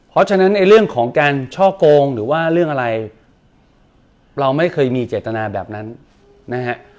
เพราะฉะนั้นในเรื่องของการช่อกงหรือว่าเรื่องอะไรเราไม่เคยมีเจตนาแบบนั้นนะฮะ